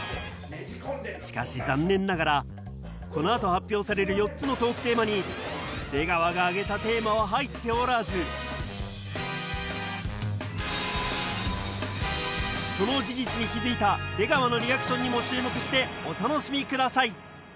しかし残念ながらこの後発表される４つのトークテーマに出川が挙げたテーマは入っておらずその事実に気付いたしてお楽しみください